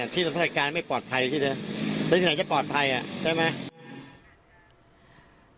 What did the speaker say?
ที่สถานการณ์ไม่ปลอดภัยที่จะไหนจะปลอดภัยใช่ไหม